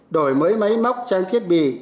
đổi mới máy móc trang thiết bị